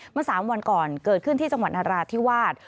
เมื่อ๓วันก่อนเกิดขึ้นที่จังหวัดนราธิวาส